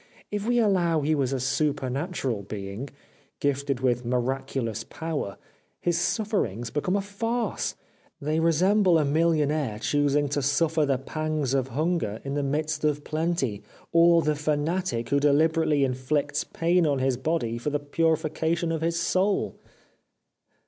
If we al low he was a supernatural being, gifted with miraculous power, his sufferings became a farce ; they resemble a millionaire choosing to suffer the pangs of hunger in the midst of plenty, or the fanatic who deliberately inflicts pain on his body for the purification of his soul.'